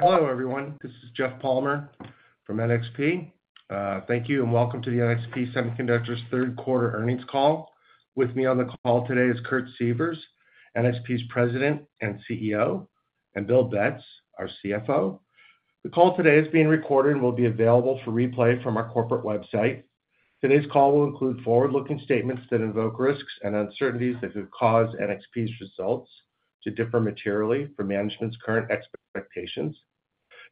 Hello, everyone. This is Jeff Palmer from NXP. Thank you and welcome to the NXP Semiconductors' 3Q Earnings Call. With me on the call today is Kurt Sievers, NXP's President and CEO, and Bill Betz, our CFO. The call today is being recorded and will be available for replay from our corporate website. Today's call will include forward-looking statements that involve risks and uncertainties that could cause NXP's results to differ materially from management's current expectations.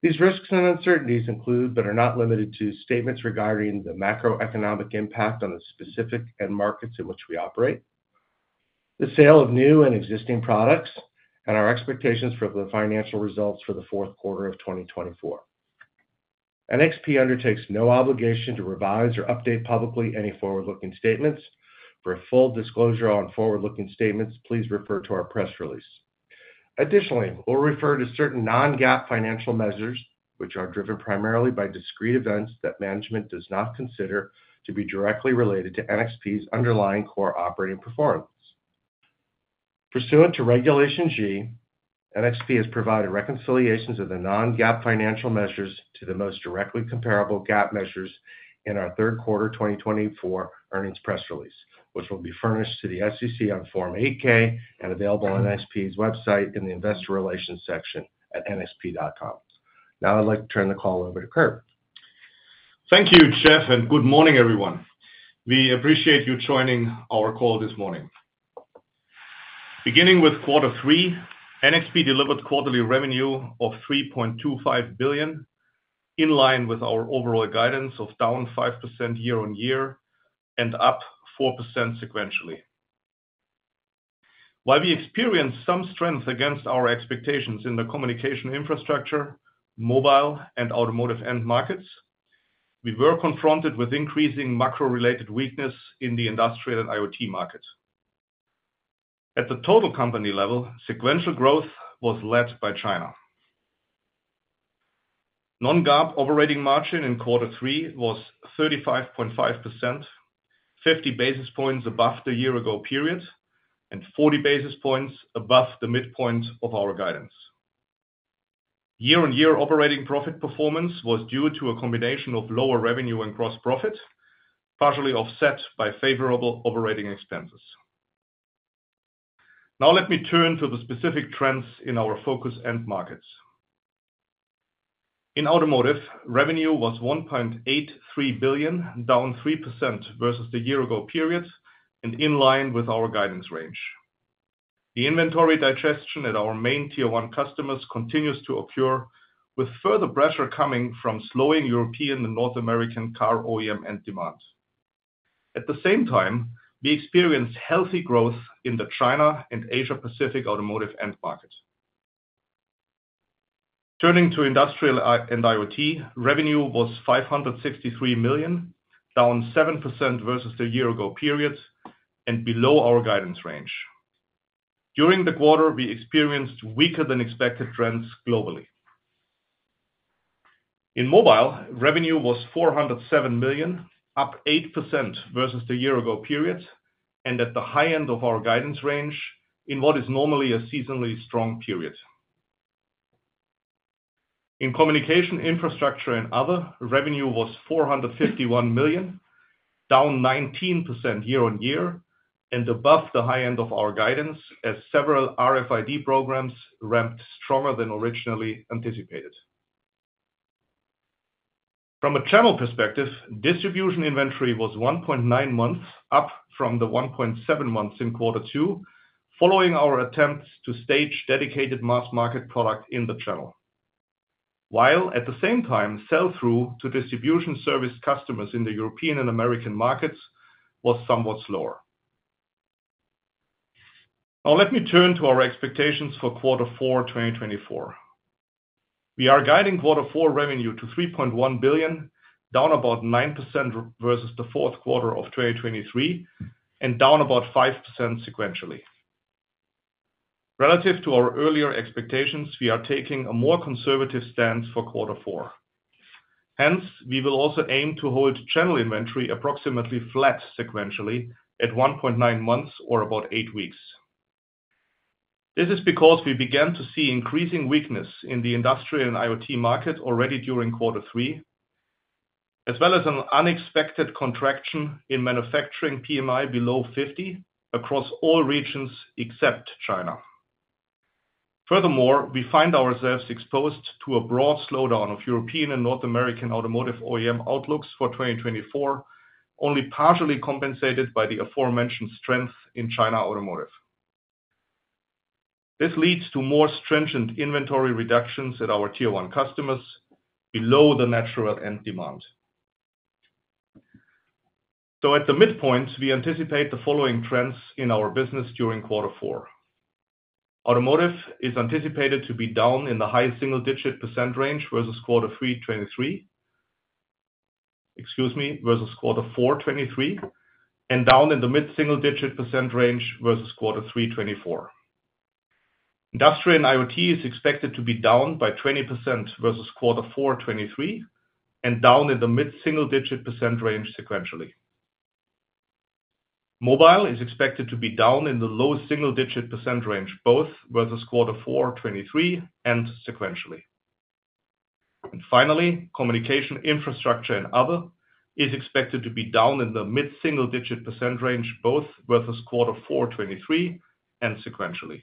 These risks and uncertainties include, but are not limited to, statements regarding the macroeconomic impact on the specific markets in which we operate, the sale of new and existing products, and our expectations for the financial results for the fourth quarter of 2024. NXP undertakes no obligation to revise or update publicly any forward-looking statements. For a full disclosure on forward-looking statements, please refer to our press release. Additionally, we'll refer to certain non-GAAP financial measures, which are driven primarily by discrete events that management does not consider to be directly related to NXP's underlying core operating performance. Pursuant to Regulation G, NXP has provided reconciliations of the non-GAAP financial measures to the most directly comparable GAAP measures in our third quarter 2024 earnings press release, which will be furnished to the SEC on Form 8-K and available on NXP's website in the Investor Relations section at nxp.com. Now I'd like to turn the call over to Kurt. Thank you, Jeff, and good morning, everyone. We appreciate you joining our call this morning. Beginning with quarter three, NXP delivered quarterly revenue of $3.25 billion, in line with our overall guidance of down 5% year on year and up 4% sequentially. While we experienced some strength against our expectations in the communication infrastructure, Mobile, and Automotive end markets, we were confronted with increasing macro-related weakness in the Industrial & IoT markets. At the total company level, sequential growth was led by China. Non-GAAP operating margin in quarter three was 35.5%, 50 basis points above the year-ago period and 40 basis points above the midpoint of our guidance. Year-on-year operating profit performance was due to a combination of lower revenue and gross profit, partially offset by favorable operating expenses. Now let me turn to the specific trends in our focus end markets. In Automotive, revenue was $1.83 billion, down 3% versus the year-ago period and in line with our guidance range. The inventory digestion at our main Tier 1 customers continues to occur, with further pressure coming from slowing European and North American car OEM end demand. At the same time, we experienced healthy growth in the China and Asia-Pacific Automotive end market. Turning to Industrial & IoT, revenue was $563 million, down 7% versus the year-ago period and below our guidance range. During the quarter, we experienced weaker-than-expected trends globally. In Mobile, revenue was $407 million, up 8% versus the year-ago period and at the high end of our guidance range in what is normally a seasonally strong period. In Communication Infrastructure and Other, revenue was $451 million, down 19% year on year and above the high end of our guidance as several RFID programs ramped stronger than originally anticipated. From a channel perspective, distribution inventory was 1.9 months, up from the 1.7 months in quarter two, following our attempts to stage dedicated mass-market product in the channel, while at the same time, sell-through to distribution service customers in the European and American markets was somewhat slower. Now let me turn to our expectations for quarter four 2024. We are guiding quarter four revenue to $3.1 billion, down about 9% versus the fourth quarter of 2023, and down about 5% sequentially. Relative to our earlier expectations, we are taking a more conservative stance for quarter four. Hence, we will also aim to hold channel inventory approximately flat sequentially at 1.9 months or about eight weeks. This is because we began to see increasing weakness in the Industrial & IoT market already during quarter three, as well as an unexpected contraction in manufacturing PMI below 50 across all regions except China. Furthermore, we find ourselves exposed to a broad slowdown of European and North American Automotive OEM outlooks for 2024, only partially compensated by the aforementioned strength in China Automotive. This leads to more stringent inventory reductions at our Tier 1 customers below the natural end demand. So at the midpoint, we anticipate the following trends in our business during quarter four. Automotive is anticipated to be down in the high single-digit % range versus quarter three 2023, excuse me, versus quarter four 2023, and down in the mid-single-digit % range versus quarter three 2024. Industrial & IoT is expected to be down by 20% versus quarter four 2023, and down in the mid-single-digit % range sequentially. Mobile is expected to be down in the low single-digit % range both versus quarter four 2023 and sequentially. Finally, Communication Infrastructure and Other is expected to be down in the mid-single-digit percent range both versus quarter four 2023 and sequentially.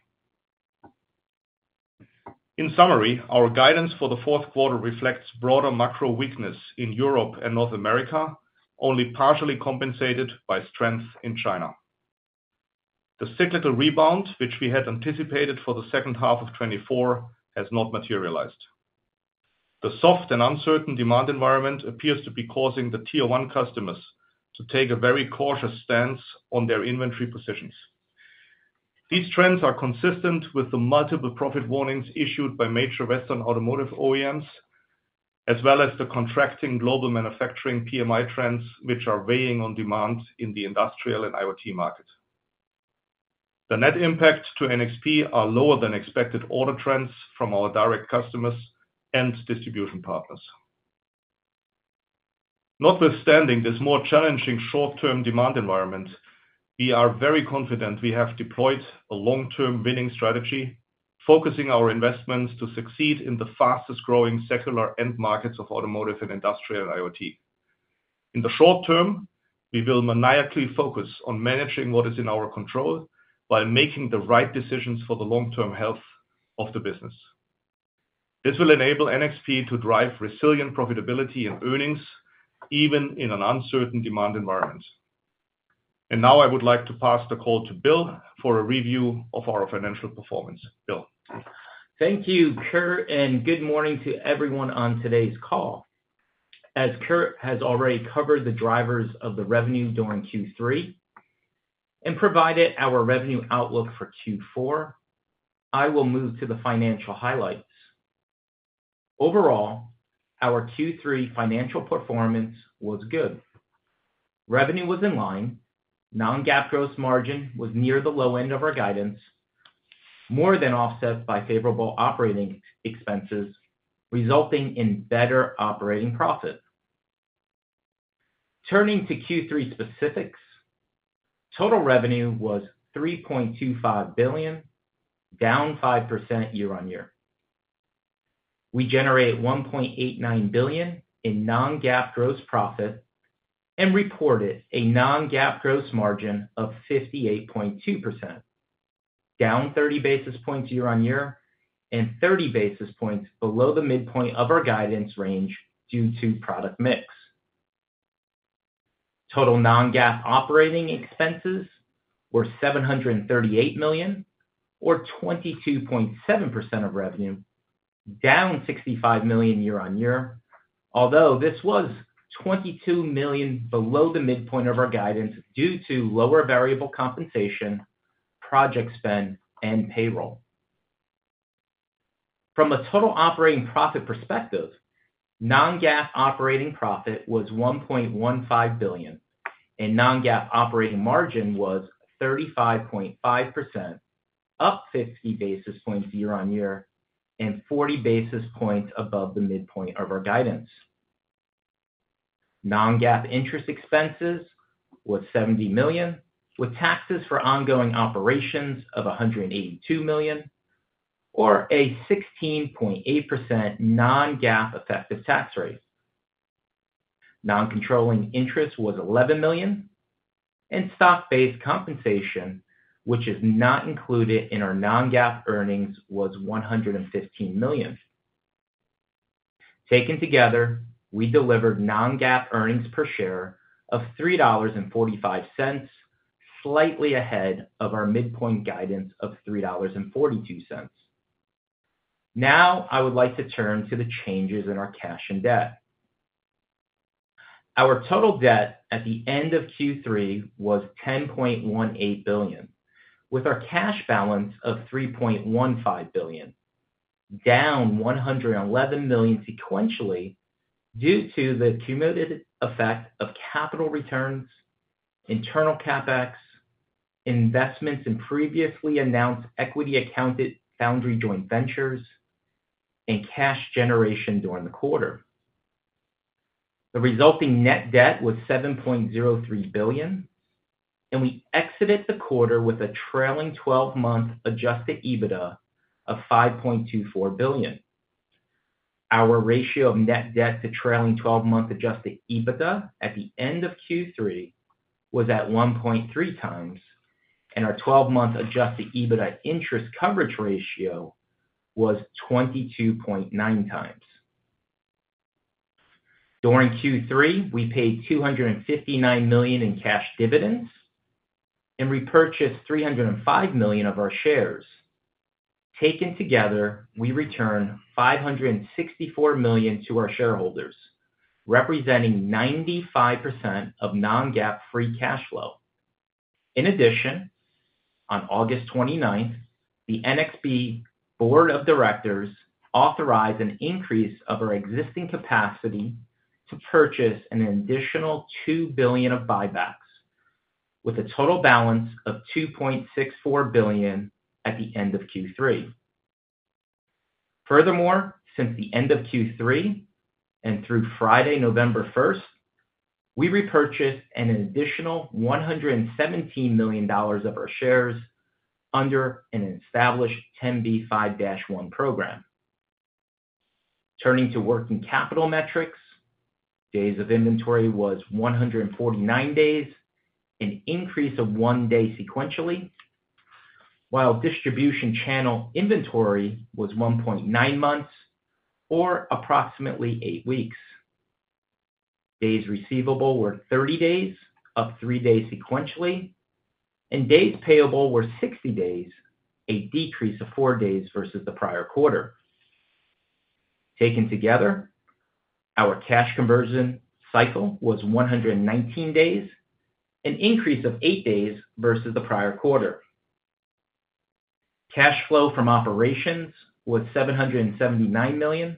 In summary, our guidance for the fourth quarter reflects broader macro weakness in Europe and North America, only partially compensated by strength in China. The cyclical rebound, which we had anticipated for the second half of 2024, has not materialized. The soft and uncertain demand environment appears to be causing the Tier 1 customers to take a very cautious stance on their inventory positions. These trends are consistent with the multiple profit warnings issued by major Western Automotive OEMs, as well as the contracting global manufacturing PMI trends, which are weighing on demand in the Industrial & IoT market. The net impact to NXP are lower than expected order trends from our direct customers and distribution partners. Notwithstanding this more challenging short-term demand environment, we are very confident we have deployed a long-term winning strategy, focusing our investments to succeed in the fastest-growing secular end markets of Automotive and Industrial & IoT. In the short term, we will maniacally focus on managing what is in our control while making the right decisions for the long-term health of the business. This will enable NXP to drive resilient profitability and earnings even in an uncertain demand environment. And now I would like to pass the call to Bill for a review of our financial performance. Bill. Thank you, Kurt, and good morning to everyone on today's call. As Kurt has already covered the drivers of the revenue during Q3 and provided our revenue outlook for Q4, I will move to the financial highlights. Overall, our Q3 financial performance was good. Revenue was in line. Non-GAAP gross margin was near the low end of our guidance, more than offset by favorable operating expenses, resulting in better operating profit. Turning to Q3 specifics, total revenue was $3.25 billion, down 5% year on year. We generate $1.89 billion in non-GAAP gross profit and reported a non-GAAP gross margin of 58.2%, down 30 basis points year on year and 30 basis points below the midpoint of our guidance range due to product mix. Total non-GAAP operating expenses were $738 million, or 22.7% of revenue, down $65 million year on year, although this was $22 million below the midpoint of our guidance due to lower variable compensation, project spend, and payroll. From a total operating profit perspective, non-GAAP operating profit was $1.15 billion, and non-GAAP operating margin was 35.5%, up 50 basis points year on year and 40 basis points above the midpoint of our guidance. Non-GAAP interest expenses were $70 million, with taxes for ongoing operations of $182 million, or a 16.8% non-GAAP effective tax rate. Non-controlling interest was $11 million, and stock-based compensation, which is not included in our non-GAAP earnings, was $115 million. Taken together, we delivered non-GAAP earnings per share of $3.45, slightly ahead of our midpoint guidance of $3.42. Now I would like to turn to the changes in our cash and debt. Our total debt at the end of Q3 was $10.18 billion, with our cash balance of $3.15 billion, down $111 million sequentially due to the cumulative effect of capital returns, internal CapEx, investments in previously announced equity-accounted foundry joint ventures, and cash generation during the quarter. The resulting net debt was $7.03 billion, and we exited the quarter with a trailing 12-month adjusted EBITDA of $5.24 billion. Our ratio of net debt to trailing 12-month adjusted EBITDA at the end of Q3 was at 1.3 times, and our 12-month adjusted EBITDA interest coverage ratio was 22.9 times. During Q3, we paid $259 million in cash dividends and repurchased $305 million of our shares. Taken together, we returned $564 million to our shareholders, representing 95% of non-GAAP free cash flow. In addition, on August 29th, the NXP Board of Directors authorized an increase of our existing capacity to purchase an additional $2 billion of buybacks, with a total balance of $2.64 billion at the end of Q3. Furthermore, since the end of Q3 and through Friday, November 1st, we repurchased an additional $117 million of our shares under an established 10b5-1 program. Turning to working capital metrics, days of inventory was 149 days, an increase of one day sequentially, while distribution channel inventory was 1.9 months, or approximately eight weeks. Days receivable were 30 days, up three days sequentially, and days payable were 60 days, a decrease of four days versus the prior quarter. Taken together, our cash conversion cycle was 119 days, an increase of eight days versus the prior quarter. Cash flow from operations was $779 million,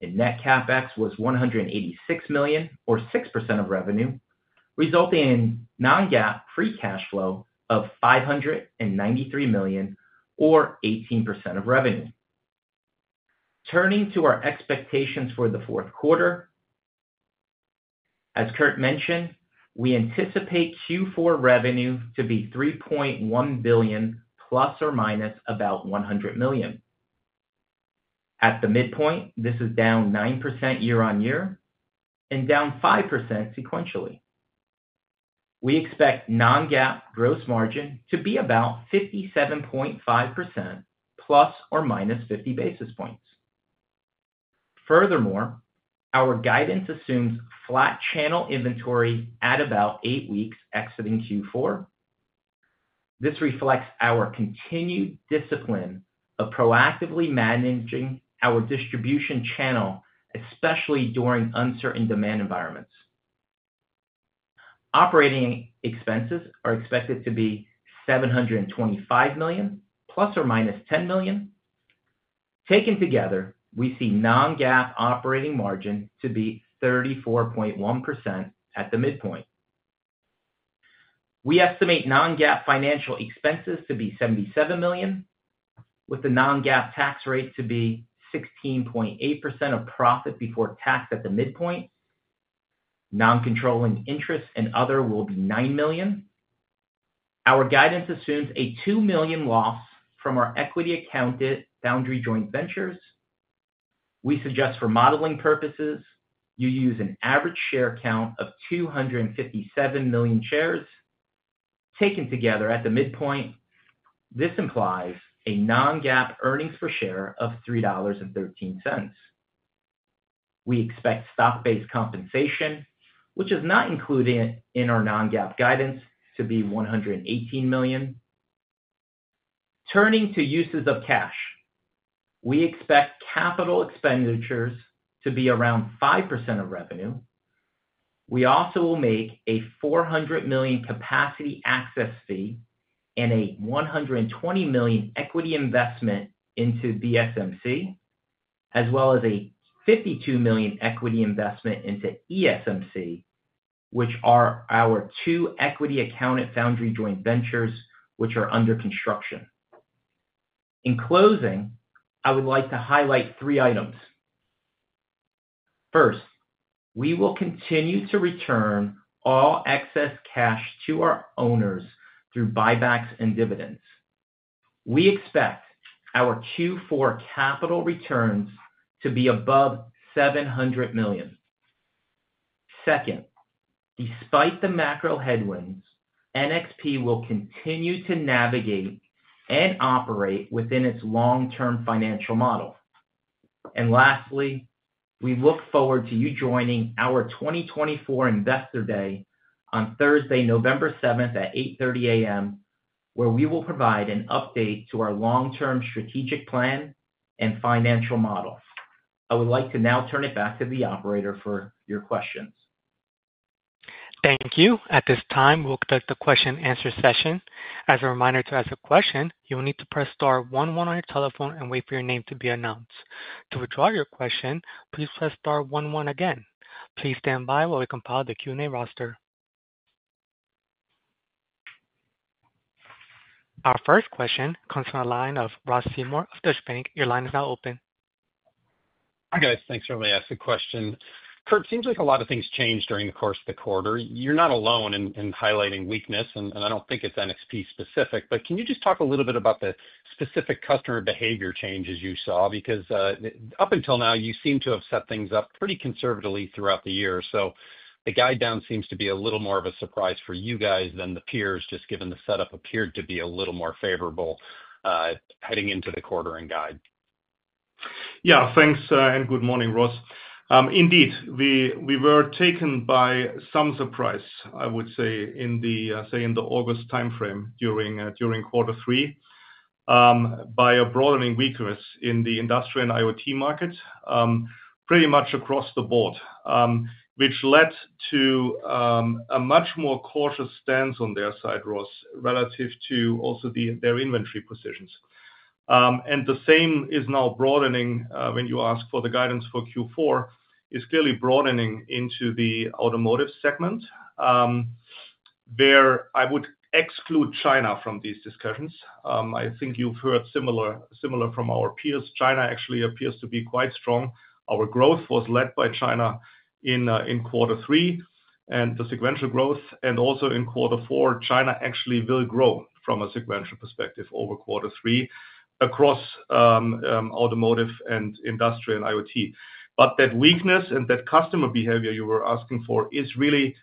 and net CapEx was $186 million, or 6% of revenue, resulting in non-GAAP free cash flow of $593 million, or 18% of revenue. Turning to our expectations for the fourth quarter, as Kurt mentioned, we anticipate Q4 revenue to be $3.1 billion, ± about $100 million. At the midpoint, this is down 9% year on year and down 5% sequentially. We expect non-GAAP gross margin to be about 57.5%, ±50 basis points. Furthermore, our guidance assumes flat channel inventory at about eight weeks exiting Q4. This reflects our continued discipline of proactively managing our distribution channel, especially during uncertain demand environments. Operating expenses are expected to be $725 million, ±$10 million. Taken together, we see non-GAAP operating margin to be 34.1% at the midpoint. We estimate non-GAAP financial expenses to be $77 million, with the non-GAAP tax rate to be 16.8% of profit before tax at the midpoint. Non-controlling interest and other will be $9 million. Our guidance assumes a $2 million loss from our equity-accounted foundry joint ventures. We suggest for modeling purposes, you use an average share count of 257 million shares. Taken together at the midpoint, this implies a non-GAAP earnings per share of $3.13. We expect stock-based compensation, which is not included in our non-GAAP guidance, to be $118 million. Turning to uses of cash, we expect capital expenditures to be around 5% of revenue. We also will make a $400 million capacity access fee and a $120 million equity investment into VSMC, as well as a $52 million equity investment into ESMC, which are our two equity-accounted foundry joint ventures which are under construction. In closing, I would like to highlight three items. First, we will continue to return all excess cash to our owners through buybacks and dividends. We expect our Q4 capital returns to be above $700 million. Second, despite the macro headwinds, NXP will continue to navigate and operate within its long-term financial model. And lastly, we look forward to you joining our 2024 Investor Day on Thursday, November 7th at 8:30 A.M., where we will provide an update to our long-term strategic plan and financial models. I would like to now turn it back to the operator for your questions. Thank you. At this time, we'll conduct the question-and-answer session. As a reminder to ask a question, you will need to press star one one on your telephone and wait for your name to be announced. To withdraw your question, please press star one one again. Please stand by while we compile the Q&A roster. Our first question comes from the line of Ross Seymore of Deutsche Bank. Your line is now open. Hi guys. Thanks for letting me ask a question. Kurt, it seems like a lot of things changed during the course of the quarter. You're not alone in highlighting weakness, and I don't think it's NXP-specific, but can you just talk a little bit about the specific customer behavior changes you saw? Because up until now, you seem to have set things up pretty conservatively throughout the year. So the guided down seems to be a little more of a surprise for you guys than the peers, just given the setup appeared to be a little more favorable heading into the quarter and guide. Yeah, thanks and good morning, Ross. Indeed, we were taken by some surprise, I would say, in the, say, in the August timeframe during quarter three by a broadening weakness in the Industrial & IoT market pretty much across the board, which led to a much more cautious stance on their side, Ross, relative to also their inventory positions. And the same is now broadening when you ask for the guidance for Q4, is clearly broadening into the Automotive segment, where I would exclude China from these discussions. I think you've heard similar from our peers. China actually appears to be quite strong. Our growth was led by China in quarter three, and the sequential growth, and also in quarter four, China actually will grow from a sequential perspective over quarter three across Automotive and Industrial & IoT. But that weakness and that customer behavior you were asking for is really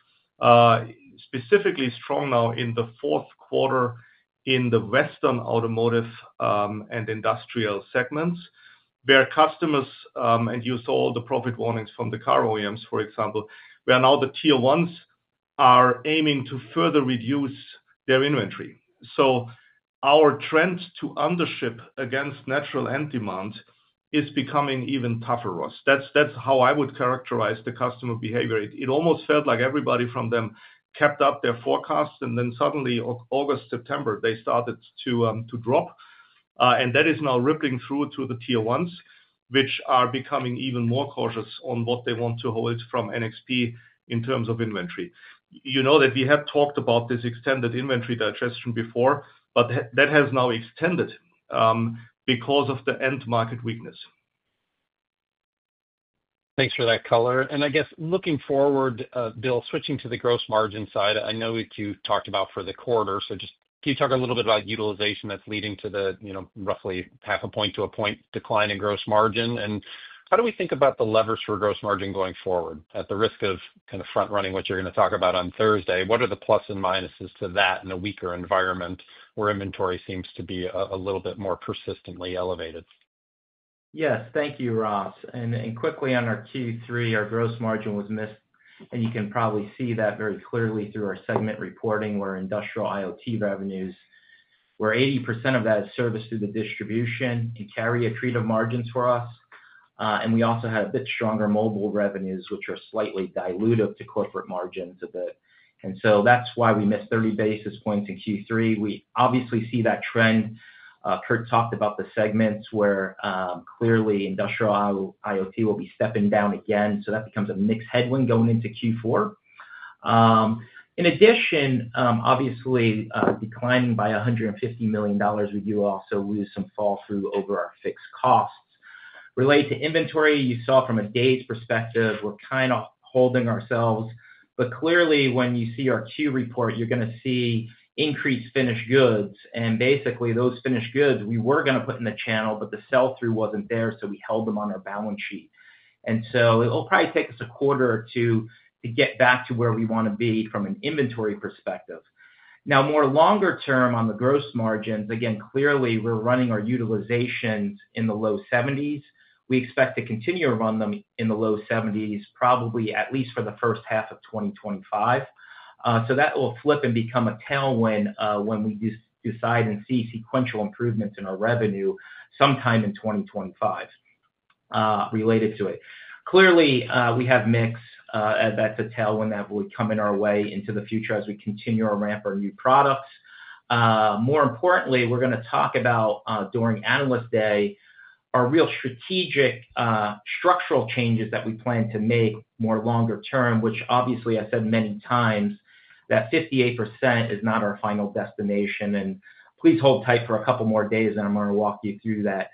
specifically strong now in the fourth quarter in the Western Automotive and industrial segments, where customers, and you saw the profit warnings from the car OEMs, for example, where now the Tier 1s are aiming to further reduce their inventory. So our trend to undership against natural end demand is becoming even tougher, Ross. That's how I would characterize the customer behavior. It almost felt like everybody from them kept up their forecasts, and then suddenly, August, September, they started to drop. And that is now rippling through to the Tier 1s, which are becoming even more cautious on what they want to hold from NXP in terms of inventory. You know that we have talked about this extended inventory digestion before, but that has now extended because of the end market weakness. Thanks for that color. And I guess looking forward, Bill, switching to the gross margin side, I know you talked about for the quarter, so just can you talk a little bit about utilization that's leading to the roughly half a point to a point decline in gross margin? And how do we think about the levers for gross margin going forward at the risk of kind of front-running what you're going to talk about on Thursday? What are the plus and minuses to that in a weaker environment where inventory seems to be a little bit more persistently elevated? Yes, thank you, Ross. Quickly on our Q3, we missed our gross margin, and you can probably see that very clearly through our segment reporting where Industrial & IoT revenues were 80% of that segment through the distribution and carry lower margins for us. We also had a bit stronger mobile revenues, which are slightly dilutive to our margins a bit. That's why we missed 30 basis points in Q3. We obviously see that trend. Kurt talked about the segments where clearly Industrial & IoT will be stepping down again. That becomes a mix headwind going into Q4. In addition, with revenues obviously declining by $150 million, we do also lose some flow-through over our fixed costs. Related to inventory, you saw from a days perspective, we're kind of holding steady. Clearly, when you see our 10-Q report, you're going to see increased finished goods. And basically, those finished goods, we were going to put in the channel, but the sell-through wasn't there, so we held them on our balance sheet. And so it will probably take us a quarter or two to get back to where we want to be from an inventory perspective. Now, more longer term on the gross margins, again, clearly we're running our utilizations in the low 70s. We expect to continue to run them in the low 70s, probably at least for the first half of 2025. So that will flip and become a tailwind when we decide and see sequential improvements in our revenue sometime in 2025 related to it. Clearly, we have mix that's a tailwind that will come our way into the future as we continue to ramp our new products. More importantly, we're going to talk about during Analyst Day, our real strategic structural changes that we plan to make more longer term, which obviously I said many times, that 58% is not our final destination, and please hold tight for a couple more days, and I'm going to walk you through that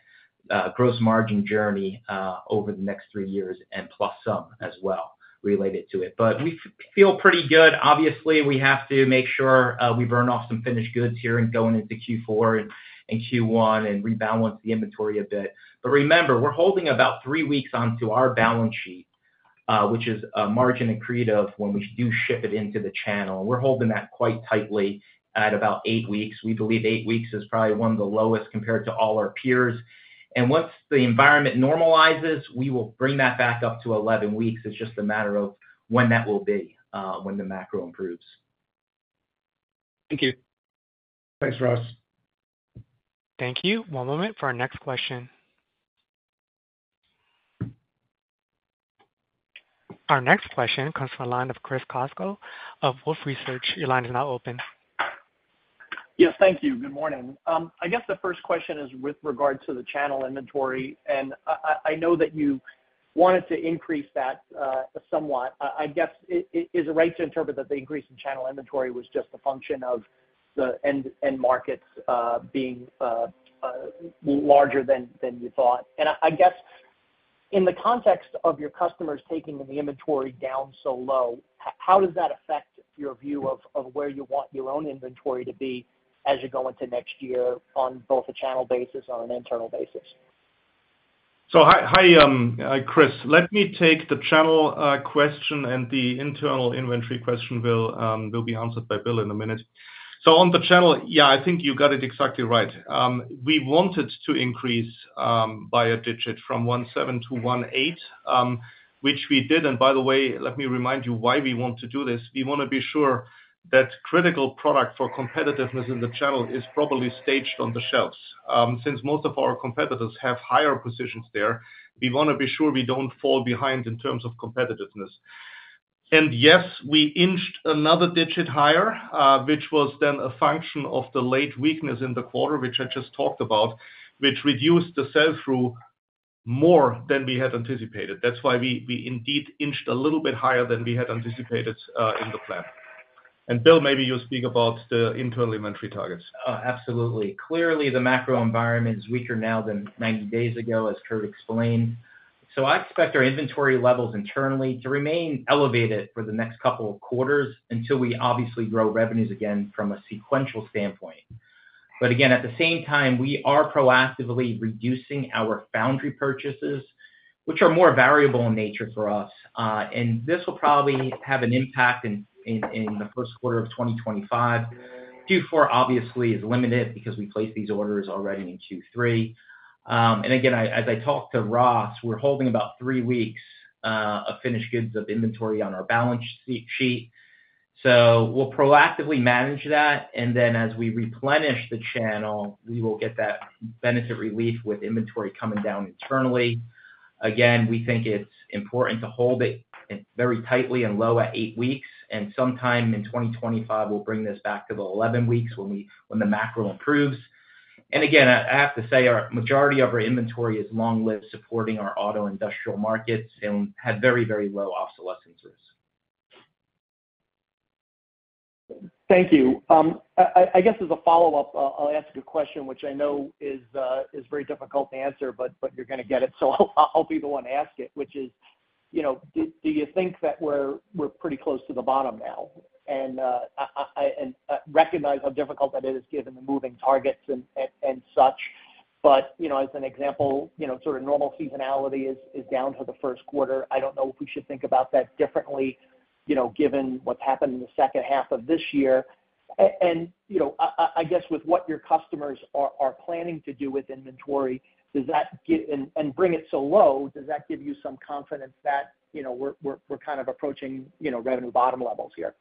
gross margin journey over the next three years and plus some as well related to it, but we feel pretty good. Obviously, we have to make sure we burn off some finished goods here and going into Q4 and Q1 and rebalance the inventory a bit, but remember, we're holding about three weeks onto our balance sheet, which is margin-accretive when we do ship it into the channel, and we're holding that quite tightly at about eight weeks. We believe eight weeks is probably one of the lowest compared to all our peers. Once the environment normalizes, we will bring that back up to 11 weeks. It's just a matter of when that will be when the macro improves. Thank you. Thanks, Ross. Thank you. One moment for our next question. Our next question comes from the line of Chris Caso of Wolfe Research. Your line is now open. Yes, thank you. Good morning. I guess the first question is with regard to the channel inventory, and I know that you wanted to increase that somewhat. I guess, is it right to interpret that the increase in channel inventory was just a function of the end markets being larger than you thought, and I guess in the context of your customers taking the inventory down so low, how does that affect your view of where you want your own inventory to be as you go into next year on both a channel basis or an internal basis? Hi, Chris. Let me take the channel question, and the internal inventory question will be answered by Bill in a minute. On the channel, yeah, I think you got it exactly right. We wanted to increase by a digit from 17-18, which we did. By the way, let me remind you why we want to do this. We want to be sure that critical product for competitiveness in the channel is probably staged on the shelves. Since most of our competitors have higher positions there, we want to be sure we don't fall behind in terms of competitiveness. Yes, we inched another digit higher, which was then a function of the late weakness in the quarter, which I just talked about, which reduced the sell-through more than we had anticipated. That's why we indeed inched a little bit higher than we had anticipated in the plan. And Bill, maybe you'll speak about the internal inventory targets. Oh, absolutely. Clearly, the macro environment is weaker now than 90 days ago, as Kurt explained. So I expect our inventory levels internally to remain elevated for the next couple of quarters until we obviously grow revenues again from a sequential standpoint. But again, at the same time, we are proactively reducing our foundry purchases, which are more variable in nature for us. And this will probably have an impact in the first quarter of 2025. Q4 obviously is limited because we placed these orders already in Q3. And again, as I talked to Ross, we're holding about three weeks of finished goods of inventory on our balance sheet. So we'll proactively manage that. And then as we replenish the channel, we will get that benefit relief with inventory coming down internally. Again, we think it's important to hold it very tightly and low at eight weeks. Sometime in 2025, we'll bring this back to the 11 weeks when the macro improves. Again, I have to say our majority of our inventory is long-lived supporting our auto industrial markets and had very, very low obsolescence risk. Thank you. I guess as a follow-up, I'll ask a question, which I know is very difficult to answer, but you're going to get it. So I'll be the one to ask it, which is, do you think that we're pretty close to the bottom now? And I recognize how difficult that is given the moving targets and such. But as an example, sort of normal seasonality is down for the first quarter. I don't know if we should think about that differently given what's happened in the second half of this year. And I guess with what your customers are planning to do with inventory, does that get and bring it so low, does that give you some confidence that we're kind of approaching revenue bottom levels here?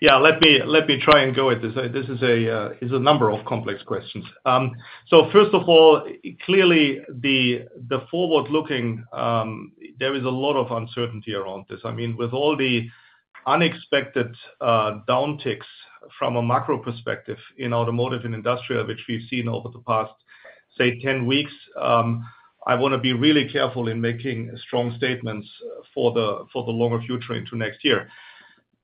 Yeah, let me try and go with this. This is a number of complex questions. So first of all, clearly, the forward-looking, there is a lot of uncertainty around this. I mean, with all the unexpected downticks from a macro perspective in Automotive and industrial, which we've seen over the past, say, 10 weeks, I want to be really careful in making strong statements for the longer future into next year.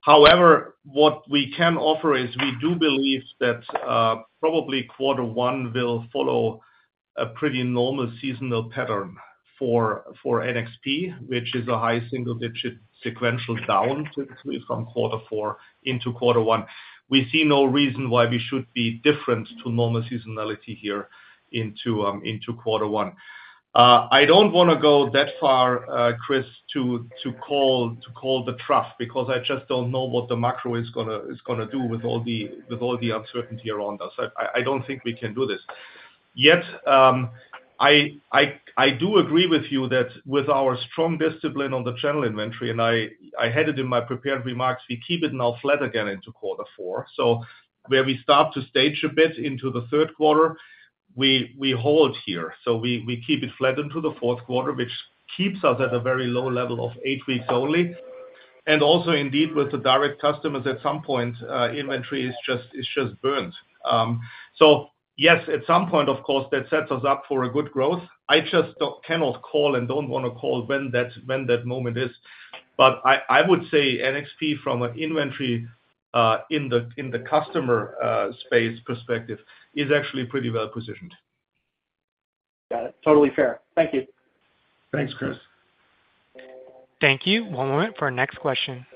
However, what we can offer is we do believe that probably quarter one will follow a pretty normal seasonal pattern for NXP, which is a high single-digit sequential down from quarter four into quarter one. We see no reason why we should be different to normal seasonality here into quarter one. I don't want to go that far, Chris, to call the trough because I just don't know what the macro is going to do with all the uncertainty around us. I don't think we can do this. Yet I do agree with you that with our strong discipline on the channel inventory, and I headed in my prepared remarks, we keep it now flat again into quarter four, so where we start to stage a bit into the third quarter, we hold here, so we keep it flat into the fourth quarter, which keeps us at a very low level of eight weeks only, and also, indeed, with the direct customers, at some point, inventory is just burnt, so yes, at some point, of course, that sets us up for a good growth. I just cannot call and don't want to call when that moment is. But I would say NXP from an inventory in the customer space perspective is actually pretty well positioned. Got it. Totally fair. Thank you. Thanks, Chris. Thank you. One moment for our next question.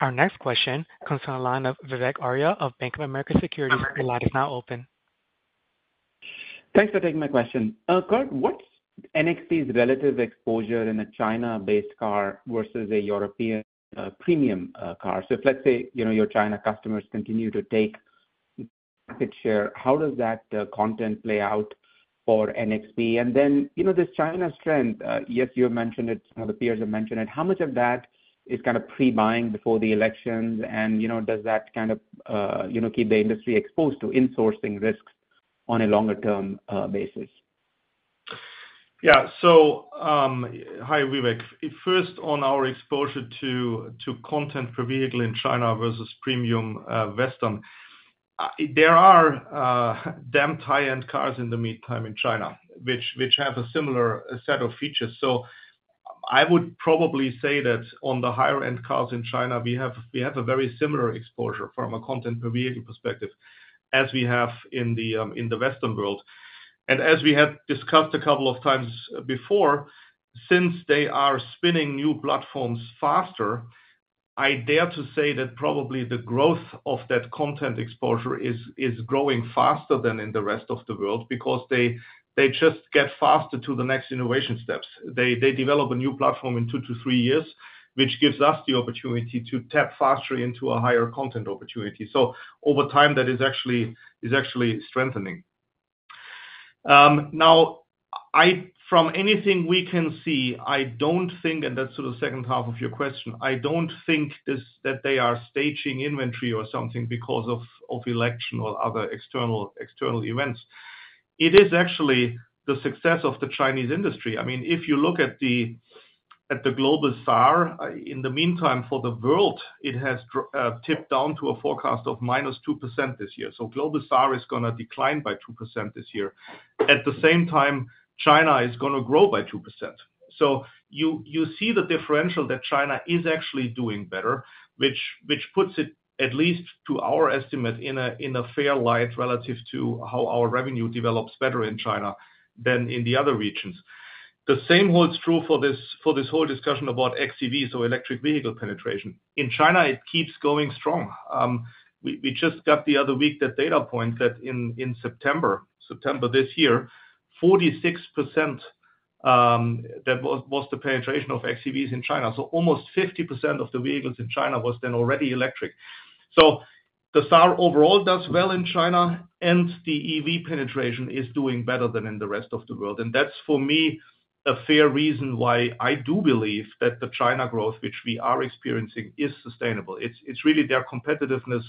Our next question comes from the line of Vivek Arya of Bank of America Securities. The line is now open. Thanks for taking my question. Kurt, what's NXP's relative exposure in a China-based car versus a European premium car? So if let's say your China customers continue to take a share, how does that content play out for NXP? And then this China strength, yes, you have mentioned it, some of the peers have mentioned it. How much of that is kind of pre-buying before the elections? And does that kind of keep the industry exposed to insourcing risks on a longer-term basis? Yeah. So hi, Vivek. First, on our exposure to content per vehicle in China versus premium Western, there are damned high-end cars in the meantime in China, which have a similar set of features. So I would probably say that on the higher-end cars in China, we have a very similar exposure from a content per vehicle perspective as we have in the Western world. And as we have discussed a couple of times before, since they are spinning new platforms faster, I dare to say that probably the growth of that content exposure is growing faster than in the rest of the world because they just get faster to the next innovation steps. They develop a new platform in two to three years, which gives us the opportunity to tap faster into a higher content opportunity. So over time, that is actually strengthening. Now, from anything we can see, I don't think, and that's to the second half of your question, I don't think that they are staging inventory or something because of election or other external events. It is actually the success of the Chinese industry. I mean, if you look at the global SAAR, in the meantime, for the world, it has tipped down to a forecast of -2% this year. So global SAAR is going to decline by 2% this year. At the same time, China is going to grow by 2%. So you see the differential that China is actually doing better, which puts it, at least to our estimate, in a fair light relative to how our revenue develops better in China than in the other regions. The same holds true for this whole discussion about xEVs, so electric vehicle penetration. In China, it keeps going strong. We just got the other week that data point that in September, September this year, 46% that was the penetration of xEVs in China. So almost 50% of the vehicles in China was then already electric. So the SAAR overall does well in China, and the EV penetration is doing better than in the rest of the world. And that's, for me, a fair reason why I do believe that the China growth, which we are experiencing, is sustainable. It's really their competitiveness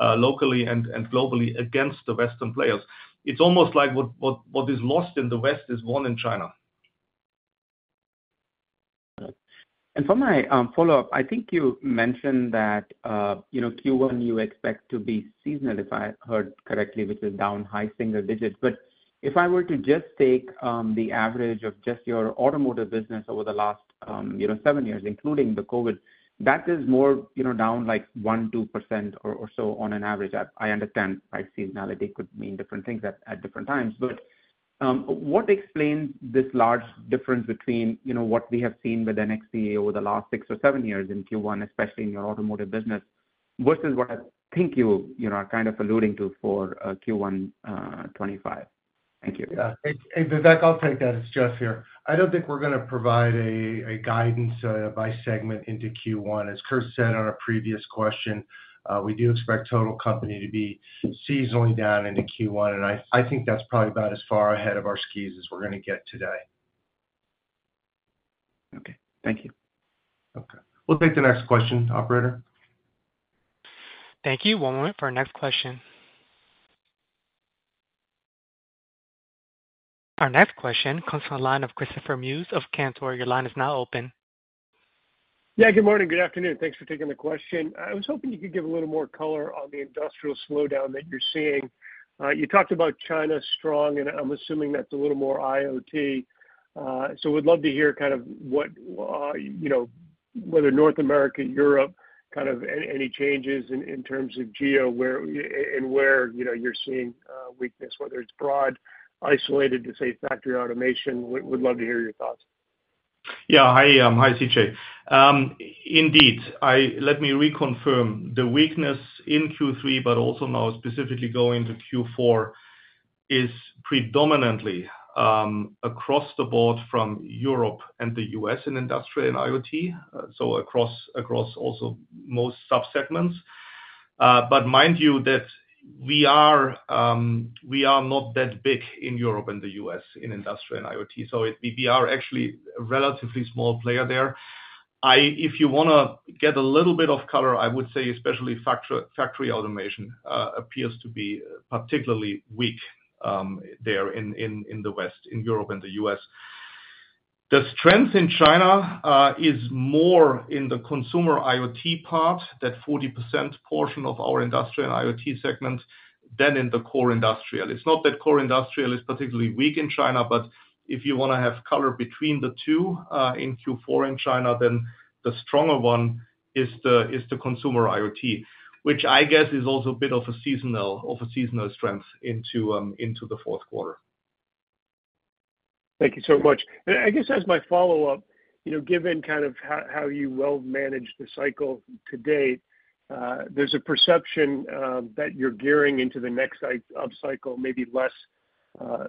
locally and globally against the western players. It's almost like what is lost in the West is won in China. And for my follow-up, I think you mentioned that Q1 you expect to be seasonal, if I heard correctly, which is down high single digits. But if I were to just take the average of just your Automotive business over the last seven years, including the COVID, that is more down like 1%-2% or so on an average. I understand seasonality could mean different things at different times. But what explains this large difference between what we have seen with NXP over the last six or seven years in Q1, especially in your Automotive business, versus what I think you are kind of alluding to for Q1 2025? Thank you. Yeah. And Vivek, I'll take that as Jeff here. I don't think we're going to provide a guidance by segment into Q1. As Chris said on a previous question, we do expect total company to be seasonally down into Q1. And I think that's probably about as far ahead of our skis as we're going to get today. Okay. Thank you. Okay. We'll take the next question, operator. Thank you. One moment for our next question. Our next question comes from the line of C.J. Muse of Cantor. Your line is now open. Yeah, good morning. Good afternoon. Thanks for taking the question. I was hoping you could give a little more color on the industrial slowdown that you're seeing. You talked about China strong, and I'm assuming that's a little more IoT. So we'd love to hear kind of whether North America, Europe, kind of any changes in terms of geo and where you're seeing weakness, whether it's broad, isolated, to say factory automation. We'd love to hear your thoughts. Yeah. Hi, C.J. Indeed. Let me reconfirm the weakness in Q3, but also now specifically going into Q4, is predominantly across the board from Europe and the U.S. in Industrial & IoT, so across also most subsegments. But mind you that we are not that big in Europe and the U.S. in Industrial & IoT. So we are actually a relatively small player there. If you want to get a little bit of color, I would say especially factory automation appears to be particularly weak there in the West, in Europe and the U.S. The strength in China is more in the consumer IoT part, that 40% portion of our Industrial & IoT segment than in the core industrial. It's not that core industrial is particularly weak in China, but if you want to have color between the two in Q4 in China, then the stronger one is the consumer IoT, which I guess is also a bit of a seasonal strength into the fourth quarter. Thank you so much. And I guess as my follow-up, given kind of how you well manage the cycle to date, there's a perception that you're gearing into the next upcycle, maybe less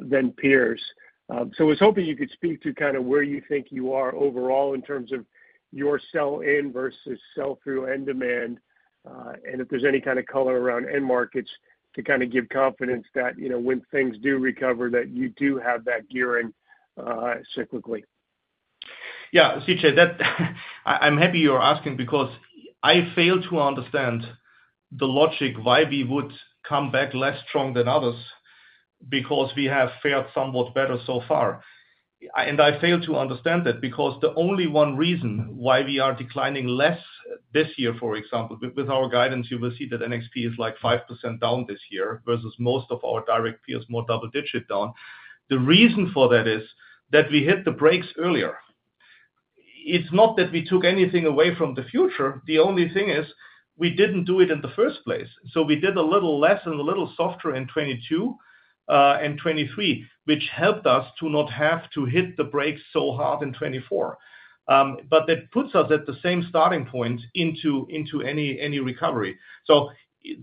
than peers. So I was hoping you could speak to kind of where you think you are overall in terms of your sell-in versus sell-through end demand, and if there's any kind of color around end markets to kind of give confidence that when things do recover, that you do have that gearing cyclically. Yeah. C.J., I'm happy you're asking because I fail to understand the logic why we would come back less strong than others because we have fared somewhat better so far. And I fail to understand that because the only one reason why we are declining less this year, for example, with our guidance, you will see that NXP is like 5% down this year versus most of our direct peers more double-digit down. The reason for that is that we hit the brakes earlier. It's not that we took anything away from the future. The only thing is we didn't do it in the first place. So we did a little less and a little softer in 2022 and 2023, which helped us to not have to hit the brakes so hard in 2024. But that puts us at the same starting point into any recovery. So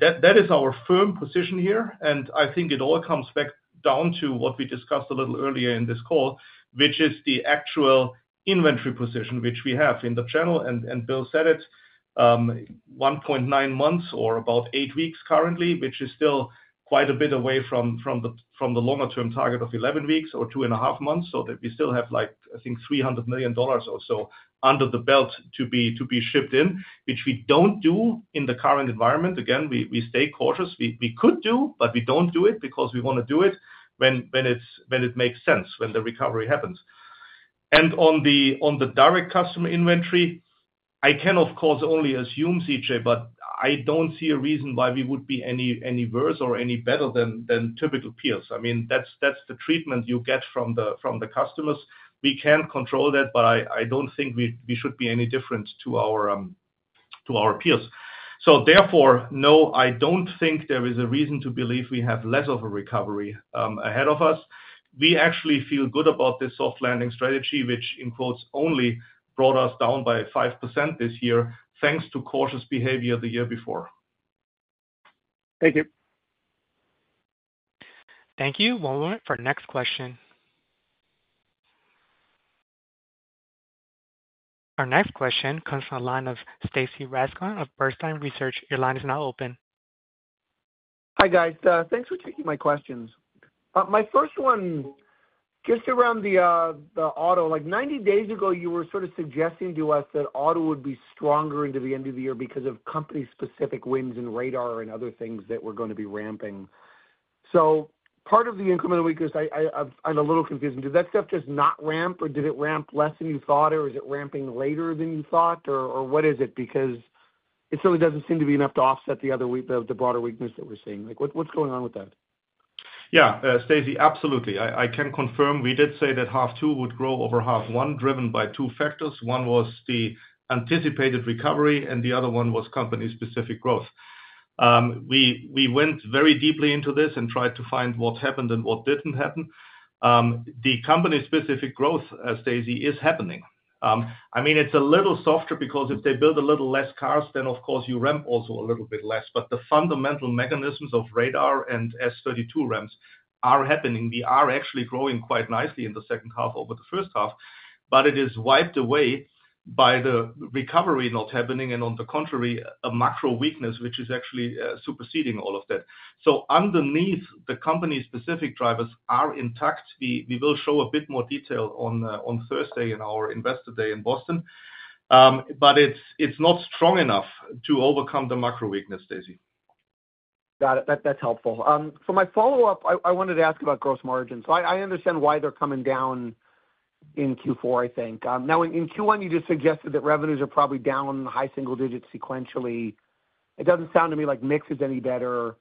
that is our firm position here. And I think it all comes back down to what we discussed a little earlier in this call, which is the actual inventory position, which we have in the channel. And Bill said it, 1.9 months or about eight weeks currently, which is still quite a bit away from the longer-term target of 11 weeks or two and a half months. So that we still have, I think, $300 million or so under the belt to be shipped in, which we don't do in the current environment. Again, we stay cautious. We could do, but we don't do it because we want to do it when it makes sense, when the recovery happens. On the direct customer inventory, I can, of course, only assume, Stacy, but I don't see a reason why we would be any worse or any better than typical peers. I mean, that's the treatment you get from the customers. We can't control that, but I don't think we should be any different to our peers. So therefore, no, I don't think there is a reason to believe we have less of a recovery ahead of us. We actually feel good about this soft landing strategy, which, in quotes, only brought us down by 5% this year, thanks to cautious behavior the year before. Thank you. Thank you. One moment for our next question. Our next question comes from the line of Stacy Rasgon of Bernstein Research. Your line is now open. Hi, guys. Thanks for taking my questions. My first one just around the auto. 90 days ago, you were sort of suggesting to us that auto would be stronger into the end of the year because of company-specific wins and radar and other things that were going to be ramping. So part of the incremental weakness, I'm a little confused. Did that stuff just not ramp, or did it ramp less than you thought, or is it ramping later than you thought, or what is it? Because it certainly doesn't seem to be enough to offset the broader weakness that we're seeing. What's going on with that? Yeah, Stacy, absolutely. I can confirm we did say that half two would grow over half one, driven by two factors. One was the anticipated recovery, and the other one was company-specific growth. We went very deeply into this and tried to find what happened and what didn't happen. The company-specific growth, Stacy, is happening. I mean, it's a little softer because if they build a little less cars, then, of course, you ramp also a little bit less. But the fundamental mechanisms of radar and S32 ramps are happening. We are actually growing quite nicely in the second half over the first half, but it is wiped away by the recovery not happening and, on the contrary, a macro weakness, which is actually superseding all of that. So underneath, the company-specific drivers are intact. We will show a bit more detail on Thursday in our investor day in Boston, but it's not strong enough to overcome the macro weakness, Stacy. Got it. That's helpful. For my follow-up, I wanted to ask about gross margin. So I understand why they're coming down in Q4, I think. Now, in Q1, you just suggested that revenues are probably down high single digits sequentially. It doesn't sound to me like mix is any better.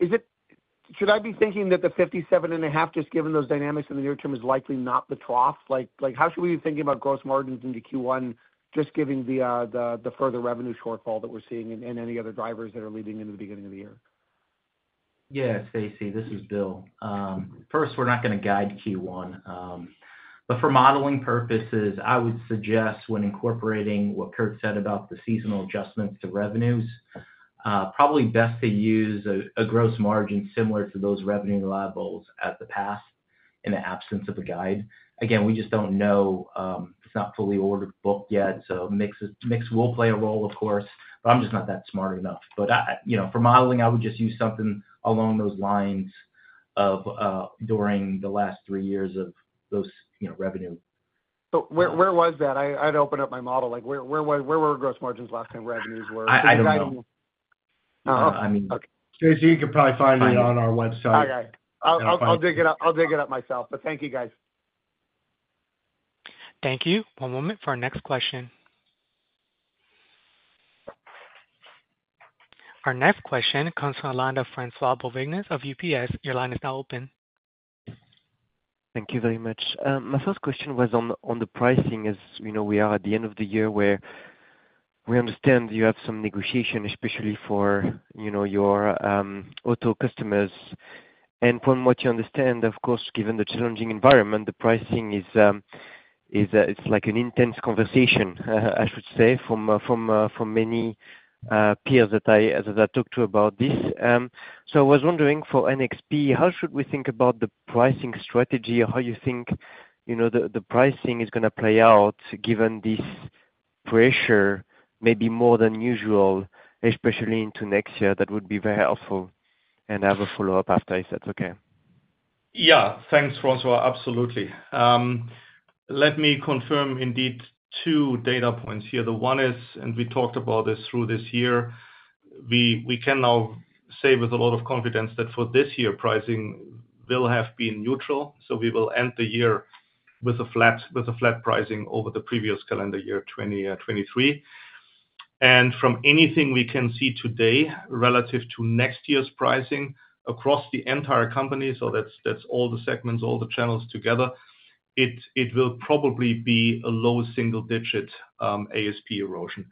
Should I be thinking that the 57.5, just given those dynamics in the near term, is likely not the trough? How should we be thinking about gross margins into Q1, just given the further revenue shortfall that we're seeing and any other drivers that are leading into the beginning of the year? Yeah, Stacy, this is Bill. First, we're not going to guide Q1. But for modeling purposes, I would suggest when incorporating what Kurt said about the seasonal adjustments to revenues, probably best to use a gross margin similar to those revenue levels as in the past in the absence of a guide. Again, we just don't know. It's not fully booked yet. So mix will play a role, of course, but I'm just not that smart enough. But for modeling, I would just use something along those lines of during the last three years of those revenue. So where was that? I'd open up my model. Where were gross margins last time revenues were? I don't know. I mean, Stacy, you could probably find it on our website. All right. I'll dig it up myself, but thank you, guys. Thank you. One moment for our next question. Our next question comes from the line of François-Xavier Bouvignies of UBS. Your line is now open. Thank you very much. My first question was on the pricing. As we are at the end of the year where we understand you have some negotiation, especially for your auto customers. And from what you understand, of course, given the challenging environment, the pricing is like an intense conversation, I should say, from many peers that I talked to about this. So I was wondering for NXP, how should we think about the pricing strategy? How do you think the pricing is going to play out given this pressure, maybe more than usual, especially into next year? That would be very helpful. And I have a follow-up after if that's okay. Yeah. Thanks, François. Absolutely. Let me confirm indeed two data points here. The one is, and we talked about this through this year, we can now say with a lot of confidence that for this year, pricing will have been neutral. So we will end the year with a flat pricing over the previous calendar year, 2023. And from anything we can see today relative to next year's pricing across the entire company, so that's all the segments, all the channels together, it will probably be a low single-digit ASP erosion,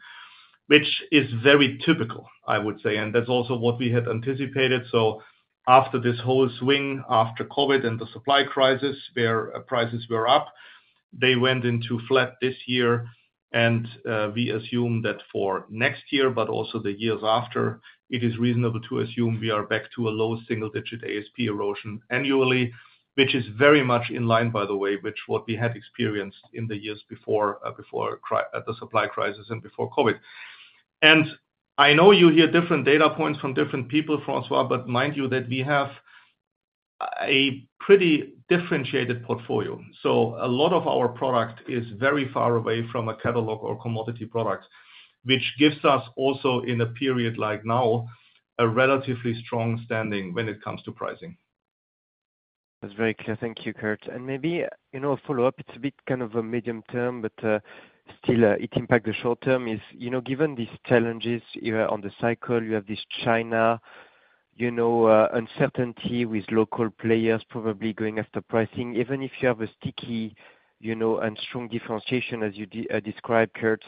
which is very typical, I would say. And that's also what we had anticipated. So after this whole swing, after COVID and the supply crisis, where prices were up, they went into flat this year. And we assume that for next year, but also the years after, it is reasonable to assume we are back to a low single-digit ASP erosion annually, which is very much in line, by the way, with what we had experienced in the years before the supply crisis and before COVID. And I know you hear different data points from different people, François, but mind you that we have a pretty differentiated portfolio. So a lot of our product is very far away from a catalog or commodity product, which gives us also, in a period like now, a relatively strong standing when it comes to pricing. That's very clear. Thank you, Kurt. And maybe a follow-up. It's a bit kind of a medium term, but still, it impacts the short term. Given these challenges on the cycle, you have this China uncertainty with local players probably going after pricing. Even if you have a sticky and strong differentiation, as you described, Kurt,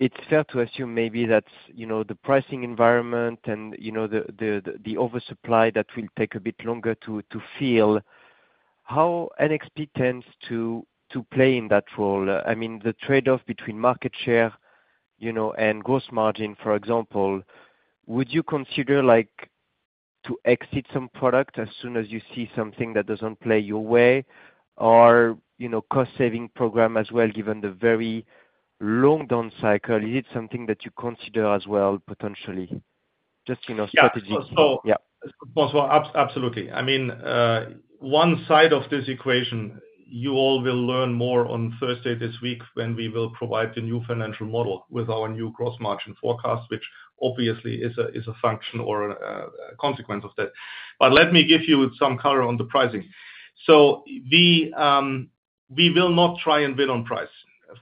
it's fair to assume maybe that the pricing environment and the oversupply that will take a bit longer to feel, how NXP tends to play in that role. I mean, the trade-off between market share and gross margin, for example, would you consider to exit some product as soon as you see something that doesn't play your way or cost-saving program as well, given the very long down cycle? Is it something that you consider as well, potentially? Just strategically. Yeah. So, François, absolutely. I mean, one side of this equation, you all will learn more on Thursday this week when we will provide the new financial model with our new gross margin forecast, which obviously is a function or a consequence of that. But let me give you some color on the pricing. So we will not try and win on price,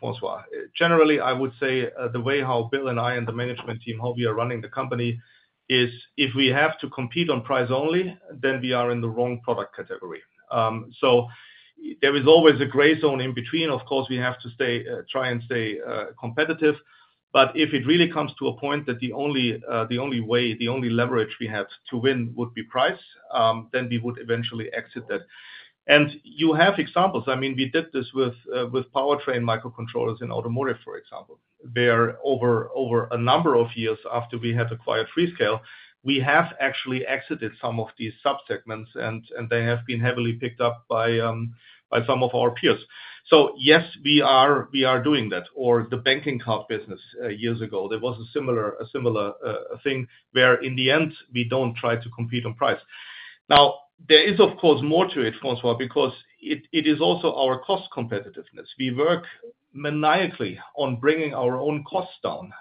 François. Generally, I would say the way how Bill and I and the management team, how we are running the company, is if we have to compete on price only, then we are in the wrong product category. So there is always a gray zone in between. Of course, we have to try and stay competitive. But if it really comes to a point that the only way, the only leverage we have to win would be price, then we would eventually exit that. You have examples. I mean, we did this with powertrain microcontrollers in Automotive, for example, where over a number of years after we had acquired Freescale, we have actually exited some of these subsegments, and they have been heavily picked up by some of our peers. So yes, we are doing that. Or the banking card business years ago, there was a similar thing where in the end, we don't try to compete on price. Now, there is, of course, more to it, François, because it is also our cost competitiveness. We work maniacally on bringing our own costs down.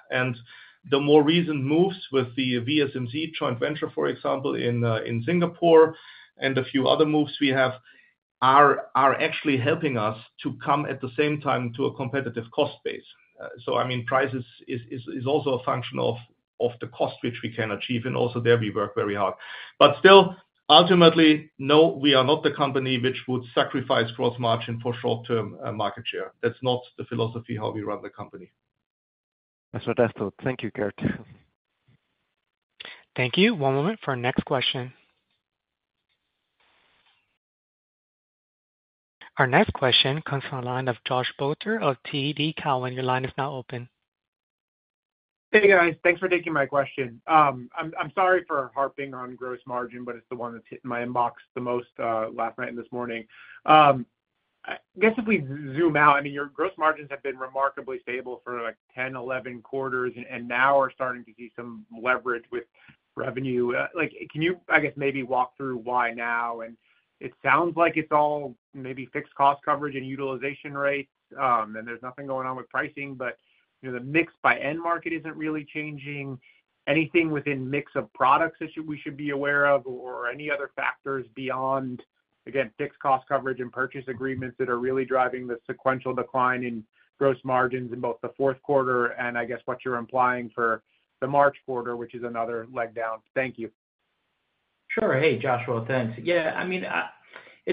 The more recent moves with the VSMC joint venture, for example, in Singapore, and a few other moves we have are actually helping us to come at the same time to a competitive cost base. I mean, price is also a function of the cost which we can achieve. And also there, we work very hard. But still, ultimately, no, we are not the company which would sacrifice gross margin for short-term market share. That's not the philosophy how we run the company. That's fantastic. Thank you, Kurt. Thank you. One moment for our next question. Our next question comes from the line of Joshua Buchalter of TD Cowen. Your line is now open. Hey, guys. Thanks for taking my question. I'm sorry for harping on gross margin, but it's the one that's hit my box the most last night and this morning. I guess if we zoom out, I mean, your gross margins have been remarkably stable for like 10, 11 quarters, and now we're starting to see some leverage with revenue. Can you, I guess, maybe walk through why now? And it sounds like it's all maybe fixed cost coverage and utilization rates, and there's nothing going on with pricing, but the mix by end market isn't really changing. Anything within mix of products that we should be aware of or any other factors beyond, again, fixed cost coverage and purchase agreements that are really driving the sequential decline in gross margins in both the fourth quarter and, I guess, what you're implying for the March quarter, which is another leg down? Thank you. Sure. Hey, Joshua, thanks. Yeah. I mean, it's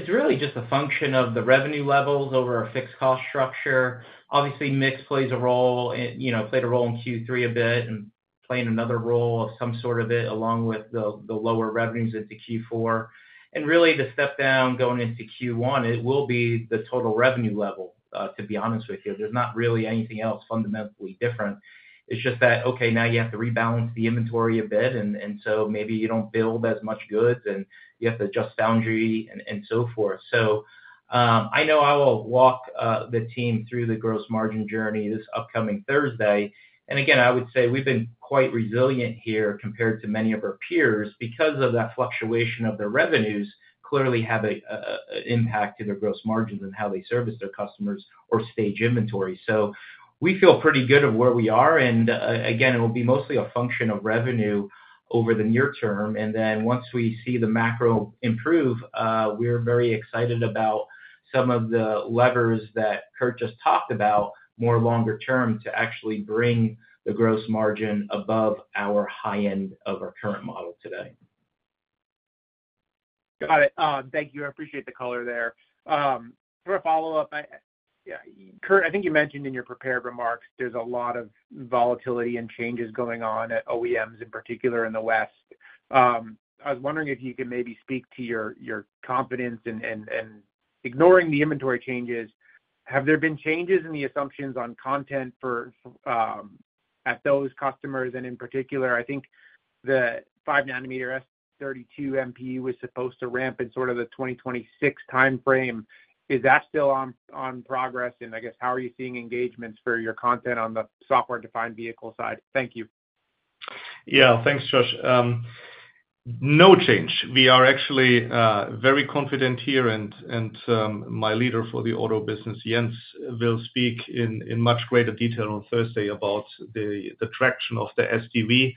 really just a function of the revenue levels over a fixed cost structure. Obviously, mix plays a role. It played a role in Q3 a bit and played another role of some sort of it along with the lower revenues into Q4, and really, the step down going into Q1, it will be the total revenue level, to be honest with you. There's not really anything else fundamentally different. It's just that, okay, now you have to rebalance the inventory a bit, and so maybe you don't build as much goods, and you have to adjust foundry and so forth, so I know I will walk the team through the gross margin journey this upcoming Thursday. Again, I would say we've been quite resilient here compared to many of our peers because of that fluctuation of their revenues clearly have an impact to their gross margins and how they service their customers or stage inventory. So we feel pretty good of where we are. And again, it will be mostly a function of revenue over the near term. And then once we see the macro improve, we're very excited about some of the levers that Kurt just talked about more longer term to actually bring the gross margin above our high end of our current model today. Got it. Thank you. I appreciate the color there. For a follow-up, Kurt, I think you mentioned in your prepared remarks, there's a lot of volatility and changes going on at OEMs, in particular in the West. I was wondering if you could maybe speak to your confidence and, ignoring the inventory changes, have there been changes in the assumptions on content at those customers? And in particular, I think the 5-nanometer S32 MPUs was supposed to ramp in sort of the 2026 timeframe. Is that still on track? And I guess, how are you seeing engagements for your content on the software-defined vehicle side? Thank you. Yeah. Thanks, Josh. No change. We are actually very confident here. My leader for the auto business, Jens, will speak in much greater detail on Thursday about the traction of the SDV.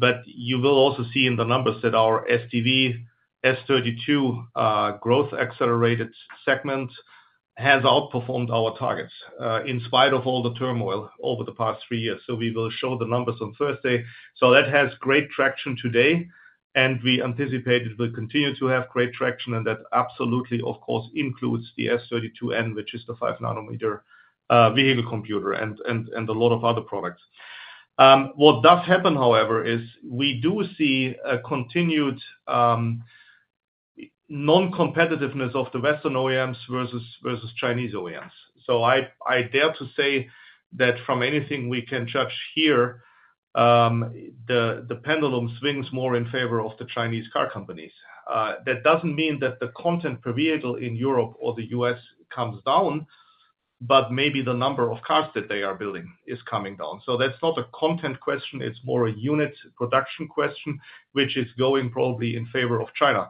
But you will also see in the numbers that our SDV S32 growth accelerated segment has outperformed our targets in spite of all the turmoil over the past three years. We will show the numbers on Thursday. That has great traction today. We anticipate it will continue to have great traction. That absolutely, of course, includes the S32N, which is the 5 nanometer vehicle computer and a lot of other products. What does happen, however, is we do see a continued non-competitiveness of the Western OEMs versus Chinese OEMs. I dare to say that from anything we can judge here, the pendulum swings more in favor of the Chinese car companies. That doesn't mean that the content per vehicle in Europe or the U.S. comes down, but maybe the number of cars that they are building is coming down. That's not a content question. It's more a unit production question, which is going probably in favor of China,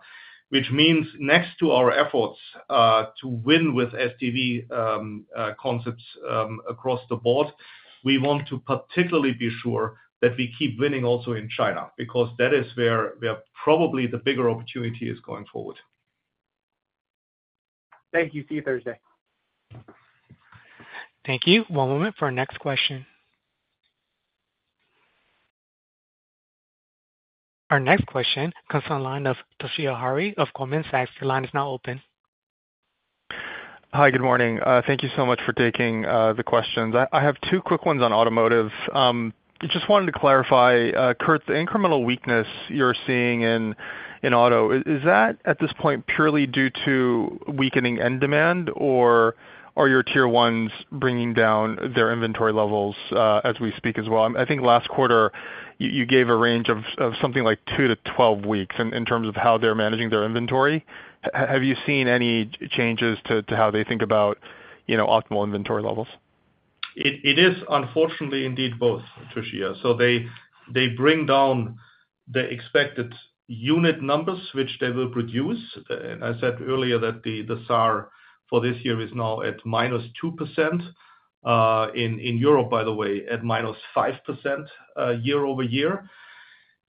which means next to our efforts to win with SDV concepts across the board, we want to particularly be sure that we keep winning also in China because that is where probably the bigger opportunity is going forward. Thank you. See you Thursday. Thank you. One moment for our next question. Our next question comes from the line of Toshiya Hari of Goldman Sachs. Your line is now open. Hi, good morning. Thank you so much for taking the questions. I have two quick ones on Automotive. Just wanted to clarify, Kurt, the incremental weakness you're seeing in auto, is that at this point purely due to weakening end demand, or are your Tier 1s bringing down their inventory levels as we speak as well? I think last quarter, you gave a range of something like 2-12 weeks in terms of how they're managing their inventory. Have you seen any changes to how they think about optimal inventory levels? It is, unfortunately, indeed both, Toshiya. So they bring down the expected unit numbers which they will produce. And I said earlier that the SAAR for this year is now at -2%. In Europe, by the way, at -5% year over year.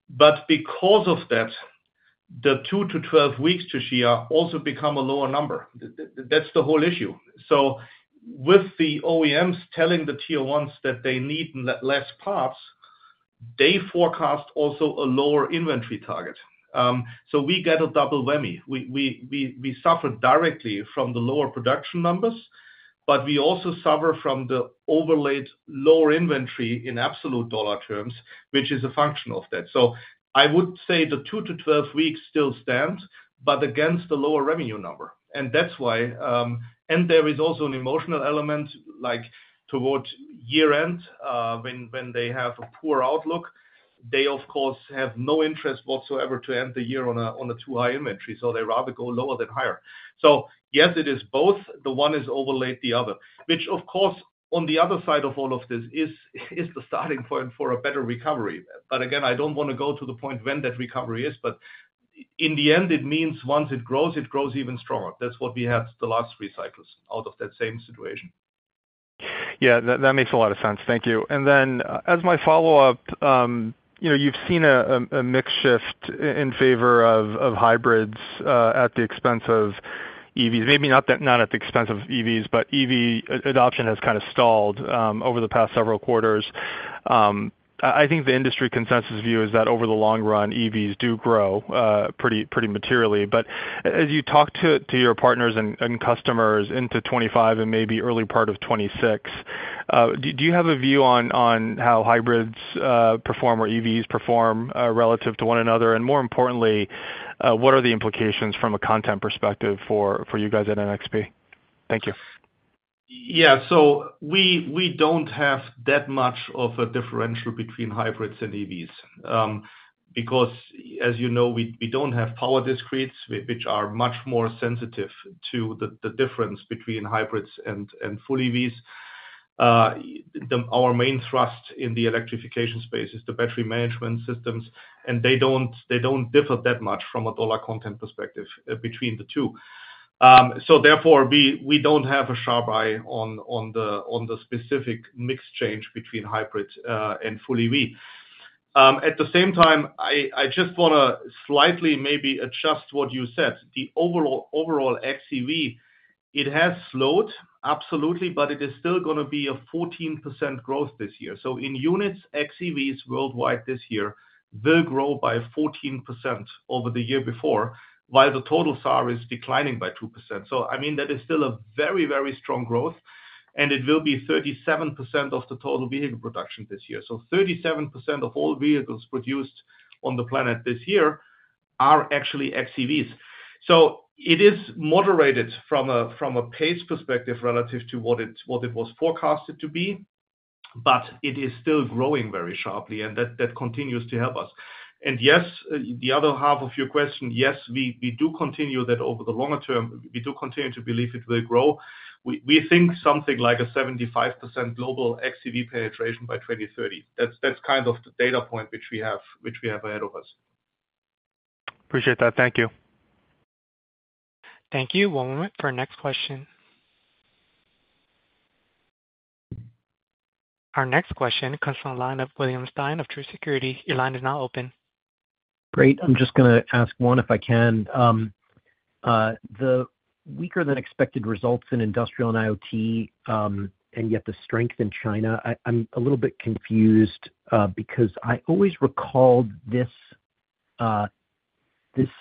But because of that, the two to 12 weeks, Toshiya, also become a lower number. That's the whole issue. So with the OEMs telling the Tier 1s that they need less parts, they forecast also a lower inventory target. So we get a double whammy. We suffer directly from the lower production numbers, but we also suffer from the overlaid lower inventory in absolute dollar terms, which is a function of that. So I would say the two to 12 weeks still stands, but against the lower revenue number. And that's why. There is also an emotional element like towards year-end when they have a poor outlook. They, of course, have no interest whatsoever to end the year on a too high inventory. So they rather go lower than higher. So yes, it is both. The one is overlaid the other, which, of course, on the other side of all of this is the starting point for a better recovery. But again, I don't want to go to the point when that recovery is, but in the end, it means once it grows, it grows even stronger. That's what we had the last three cycles out of that same situation. Yeah. That makes a lot of sense. Thank you. And then as my follow-up, you've seen a mixed shift in favor of hybrids at the expense of EVs. Maybe not at the expense of EVs, but EV adoption has kind of stalled over the past several quarters. I think the industry consensus view is that over the long run, EVs do grow pretty materially. But as you talk to your partners and customers into 2025 and maybe early part of 2026, do you have a view on how hybrids perform or EVs perform relative to one another? And more importantly, what are the implications from a content perspective for you guys at NXP? Thank you. Yeah. So we don't have that much of a differential between hybrids and EVs because, as you know, we don't have power discretes, which are much more sensitive to the difference between hybrids and full EVs. Our main thrust in the electrification space is the battery management systems, and they don't differ that much from a dollar content perspective between the two. So therefore, we don't have a sharp eye on the specific mix change between hybrids and full EV. At the same time, I just want to slightly maybe adjust what you said. The overall xEV, it has slowed, absolutely, but it is still going to be a 14% growth this year. So in units, xEVs worldwide this year will grow by 14% over the year before, while the total SAAR is declining by 2%. So I mean, that is still a very, very strong growth, and it will be 37% of the total vehicle production this year. So 37% of all vehicles produced on the planet this year are actually xEVs. So it is moderated from a pace perspective relative to what it was forecasted to be, but it is still growing very sharply, and that continues to help us. And yes, the other half of your question, yes, we do continue that over the longer term. We do continue to believe it will grow. We think something like a 75% global xEV penetration by 2030. That's kind of the data point which we have ahead of us. Appreciate that. Thank you. Thank you. One moment for our next question. Our next question comes from the line of William Stein of Truist Securities. Your line is now open. Great. I'm just going to ask one if I can. The weaker-than-expected results in Industrial & IoT and yet the strength in China, I'm a little bit confused because I always recalled this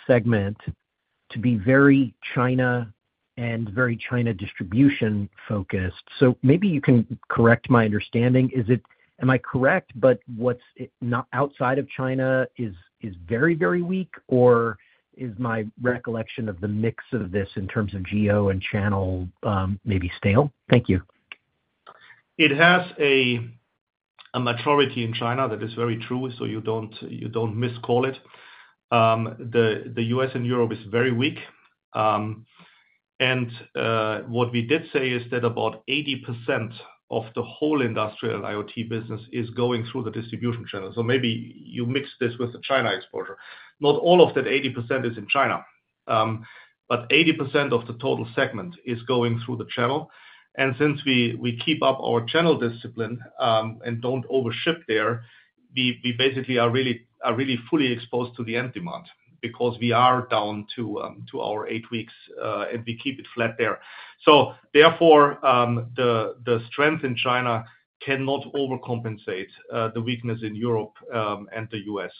segment to be very China and very China distribution focused. So maybe you can correct my understanding. Am I correct? But what's outside of China is very, very weak, or is my recollection of the mix of this in terms of geo and channel maybe stale? Thank you. It has a maturity in China that is very true, so you don't miscall it. The U.S. and Europe is very weak, and what we did say is that about 80% of the whole Industrial & IoT business is going through the distribution channel. So maybe you mix this with the China exposure. Not all of that 80% is in China, but 80% of the total segment is going through the channel, and since we keep up our channel discipline and don't overship there, we basically are really fully exposed to the end demand because we are down to our eight weeks, and we keep it flat there, so therefore, the strength in China cannot overcompensate the weakness in Europe and the U.S.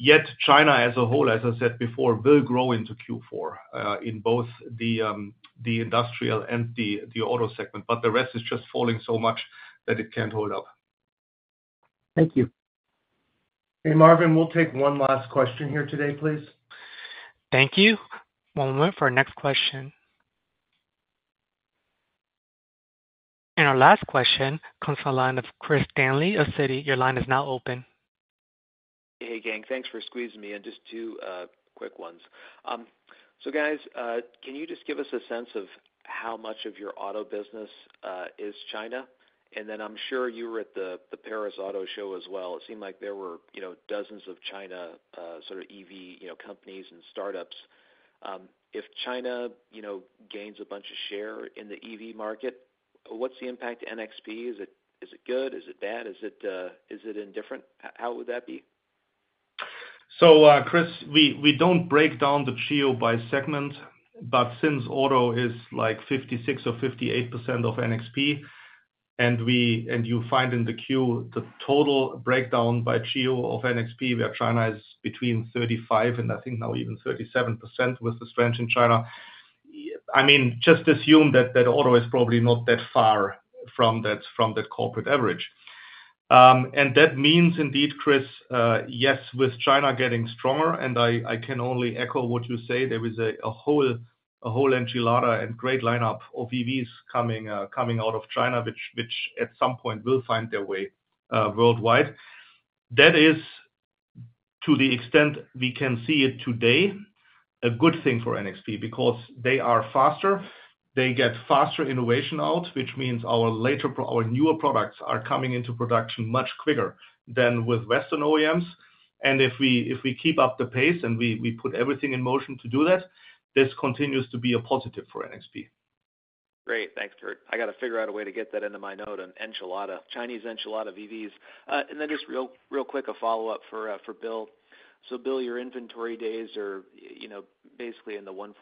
Yet China as a whole, as I said before, will grow into Q4 in both the industrial and the auto segment, but the rest is just falling so much that it can't hold up. Thank you. Hey, Marvin, we'll take one last question here today, please. Thank you. One moment for our next question. And our last question comes from the line of Chris Danely of Citi. Your line is now open. Hey, gang. Thanks for squeezing me. And just two quick ones. So guys, can you just give us a sense of how much of your auto business is China? And then I'm sure you were at the Paris Auto Show as well. It seemed like there were dozens of China sort of EV companies and startups. If China gains a bunch of share in the EV market, what's the impact to NXP? Is it good? Is it bad? Is it indifferent? How would that be? So Chris, we don't break down the geo by segment, but since auto is like 56% or 58% of NXP, and you find in the queue the total breakdown by geo of NXP where China is between 35% and I think now even 37% with the strength in China, I mean, just assume that auto is probably not that far from that corporate average. And that means indeed, Chris, yes, with China getting stronger, and I can only echo what you say, there is a whole enchilada and great lineup of EVs coming out of China, which at some point will find their way worldwide. That is, to the extent we can see it today, a good thing for NXP because they are faster. They get faster innovation out, which means our newer products are coming into production much quicker than with Western OEMs. If we keep up the pace and we put everything in motion to do that, this continues to be a positive for NXP. Great. Thanks, Kurt. I got to figure out a way to get that into my note, an enchilada, Chinese enchilada of EVs. And then just real quick, a follow-up for Bill. So Bill, your inventory days are basically in the 145-150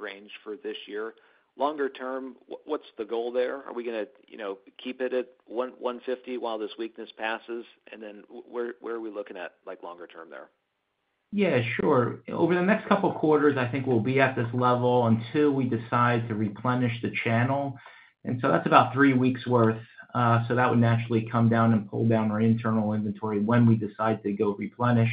range for this year. Longer term, what's the goal there? Are we going to keep it at 150 while this weakness passes? And then where are we looking at longer term there? Yeah, sure. Over the next couple of quarters, I think we'll be at this level until we decide to replenish the channel. And so that's about three weeks' worth. So that would naturally come down and pull down our internal inventory when we decide to go replenish.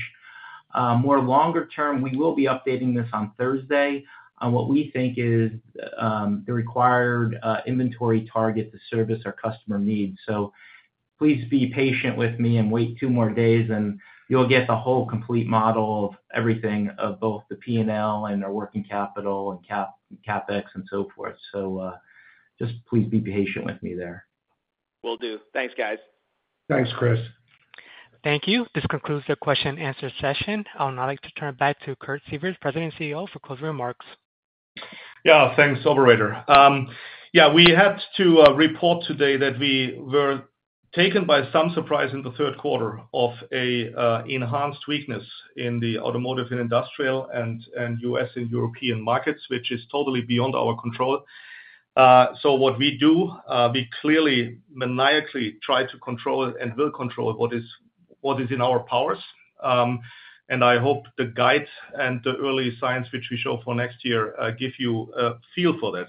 More longer term, we will be updating this on Thursday on what we think is the required inventory target to service our customer needs. So please be patient with me and wait two more days, and you'll get the whole complete model of everything of both the P&L and our working capital and CapEx and so forth. So just please be patient with me there. Will do. Thanks, guys. Thanks, Chris. Thank you. This concludes the question-and-answer session. I'll now like to turn it back to Kurt Sievers, President and CEO, for closing remarks. Yeah. Thanks Operator. Yeah. We had to report today that we were taken by some surprise in the third quarter of an enhanced weakness in the Automotive and industrial and US and European markets, which is totally beyond our control. So what we do, we clearly maniacally try to control and will control what is in our powers. And I hope the guides and the early signs which we show for next year give you a feel for that.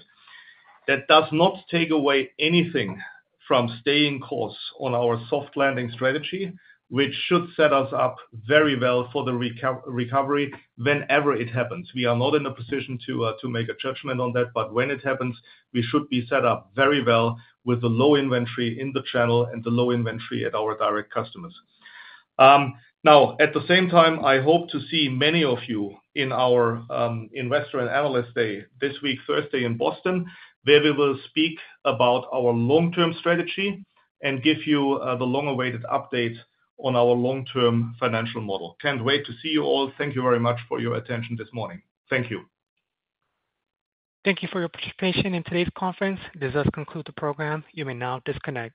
That does not take away anything from staying course on our soft landing strategy, which should set us up very well for the recovery whenever it happens. We are not in a position to make a judgment on that, but when it happens, we should be set up very well with the low inventory in the channel and the low inventory at our direct customers. Now, at the same time, I hope to see many of you in our Investor and Analyst Day this week, Thursday, in Boston, where we will speak about our long-term strategy and give you the long-awaited update on our long-term financial model. Can't wait to see you all. Thank you very much for your attention this morning. Thank you. Thank you for your participation in today's conference. This does conclude the program. You may now disconnect.